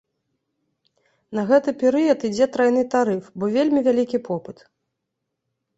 На гэты перыяд ідзе трайны тарыф, бо вельмі вялікі попыт!